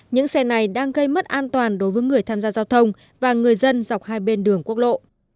những xe này đang gây mất an toàn đối với người tham gia giao thông và người dân dọc hai bên đường quốc lộ